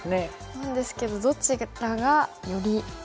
なんですけどどちらがよりいいのか。